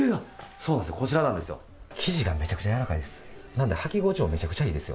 そうなんです、こちらなんですよ、生地がめちゃくちゃ柔らかいんです。